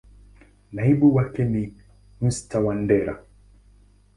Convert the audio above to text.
Naibu wake ni Mr.Wandera.